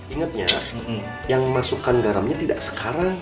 ingatnya yang masukkan garamnya tidak sekarang